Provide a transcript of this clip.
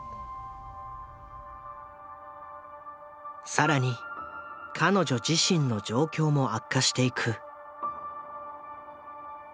更に彼女自身の状況も悪化していく。